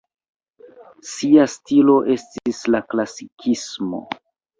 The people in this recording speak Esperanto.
Sia stilo estis la klasikismo.